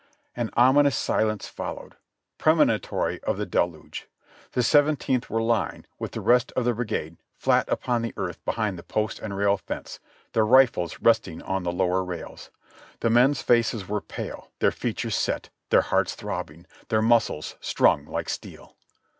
An ominous silence followed, premonitory of the deluge. The Seventeenth were lying, with the rest of the brigade, flat upon the earth behind the post and rail fence, their rifles resting on the lower rails. The men's faces were pale, their features set, their hearts throbbing, their muscles strung like steel.